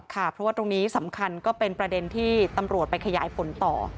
ค่ะเพราะว่าตรงนี้สำคัญก็เป็นประเด็นที่ตำรวจไปขยายผลต่อ